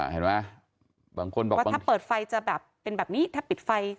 เห็นไหมบางคนบอกว่าถ้าเปิดไฟจะแบบเป็นแบบนี้ถ้าปิดไฟ